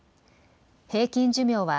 平均寿命は、